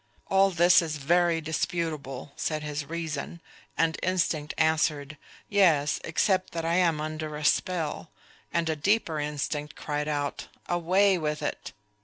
"All this is very disputable," said his reason; and instinct answered, "Yes except that I am under a spell"; and a deeper instinct cried out, "Away with it!"